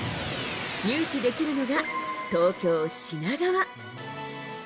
入手できるのが、東京・品川。